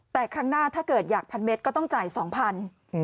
แต่ครั้งหน้าถ้าเกิดอยากพันเมตรก็ต้องจ่าย๒๐๐บาท